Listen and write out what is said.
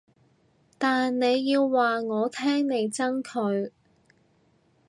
但你要話我聽你憎佢